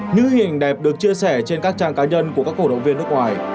những hình đẹp được chia sẻ trên các trang cá nhân của các cổ động viên nước ngoài